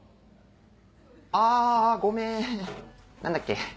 あぁごめん何だっけ？